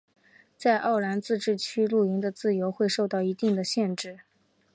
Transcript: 在奥兰自治区露营的自由会受到一定的限制。